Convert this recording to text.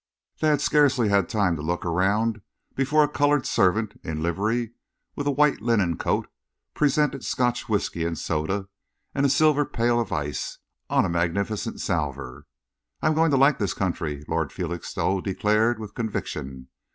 They had scarcely had time to look around before a coloured servant in livery, with a white linen coat, presented Scotch whisky and soda, and a silver pail of ice, on a magnificent salver. "I am going to like this country," Lord Felixstowe declared with conviction.